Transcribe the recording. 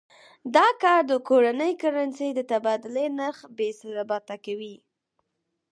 دا کار د کورنۍ کرنسۍ د تبادلې نرخ بې ثباته کوي.